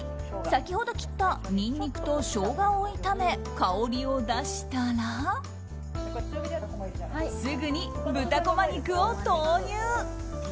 先ほど切ったニンニクとショウガを炒め香りを出したらすぐに豚こま肉を投入。